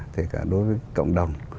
thể cả đối với cộng đồng